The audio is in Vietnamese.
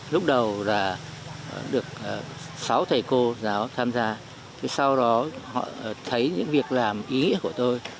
lúc đầu là được sáu thầy cô giáo tham gia sau đó họ thấy những việc làm ý nghĩa của tôi